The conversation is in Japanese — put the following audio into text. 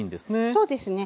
そうですね。